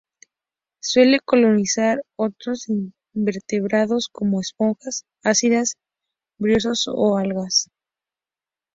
Suele colonizar otros invertebrados como esponjas, ascidias, briozoos o algas.